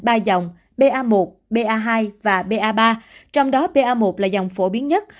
ba dòng ba một ba hai và ba ba trong đó ba một là dòng phổ biến nhất